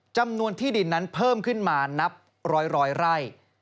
จำนวนที่ดินนั้นเพิ่มขึ้นมานับร้อยไร่